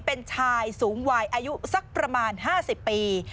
เป็นชายสูงวัยอายุสักประมาณ๕๐ปี